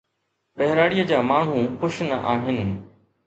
ٻهراڙيءَ جا ماڻهو خوش نه آهن.